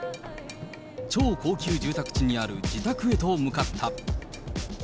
超高級住宅地にある自宅へと向かった。